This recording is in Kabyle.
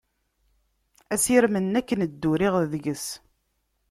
Asirem-nni akken dduriɣ deg-s.